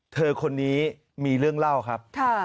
เธอคนนี้มีเรื่องเล่าครับ